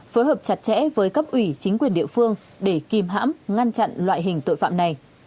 phối hợp chặt chẽ với cấp ủy chính quyền địa phương để kìm hãm ngăn chặn loại hình tội phạm này